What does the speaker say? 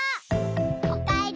おかえり！